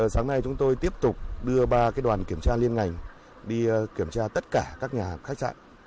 sáng nay chúng tôi tiếp tục đưa ba đoàn kiểm tra liên ngành đi kiểm tra tất cả các nhà khách sạn